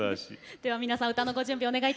では皆さん歌のご準備お願いいたします。